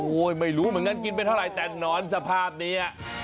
โอ้โหไม่รู้เหมือนกันกินไปเท่าไหร่แต่หนอนสภาพนี้